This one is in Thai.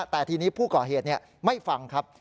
แต่ทีนี้ผู้ก่อเหตุไม่ฟังครับ